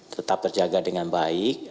tetap berjaga dengan baik